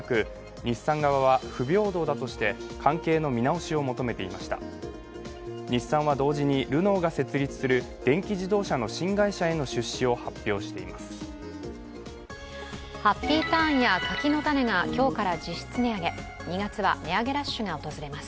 日産は同時にルノーが設立する電気自動車の新会社への出資を発表しています。